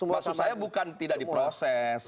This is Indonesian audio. maksud saya bukan tidak diproses